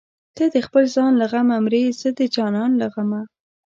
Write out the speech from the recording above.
ته د خپل ځان له غمه مرې زه د جانان له غمه